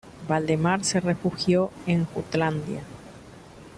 Valdemar se refugió en Jutlandia.